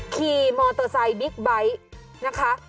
ขี่มอเตอร์ไซค์บิ๊กไบท์นะคะ